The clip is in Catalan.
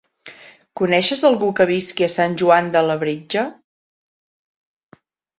Coneixes algú que visqui a Sant Joan de Labritja?